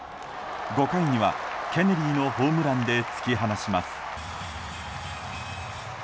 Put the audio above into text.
５回にはケネディーのホームランで突き放します。